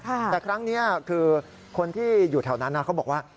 แต่ครั้งนี้คือคนที่อยู่แถวนั้นเขาบอกว่า